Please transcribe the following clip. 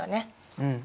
うん。